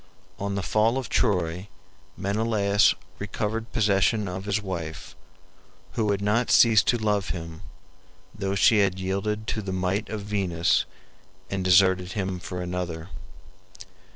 On the fall of Troy Menelaus recovered possession of his wife, who had not ceased to love him, though she had yielded to the might of Venus and deserted him for another.